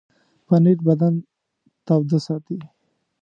پنېر بدن تاوده ساتي.